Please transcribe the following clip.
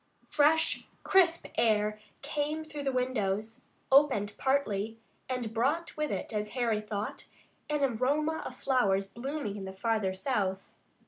Fresh crisp air came through the windows, opened partly, and brought with it, as Harry thought, an aroma of flowers blooming in the farther south.